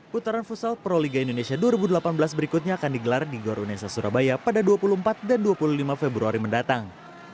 putaran futsal pro liga indonesia dua ribu delapan belas berikutnya akan digelar di goronesa surabaya pada dua puluh empat dan dua puluh lima februari mendatang